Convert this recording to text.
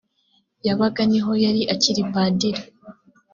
yabaga ni ho yari akiri padiri